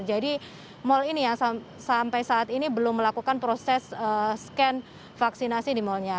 jadi mal ini yang sampai saat ini belum melakukan proses scan vaksinasi di malnya